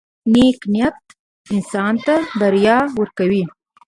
• نیک نیت انسان ته بریا ورکوي.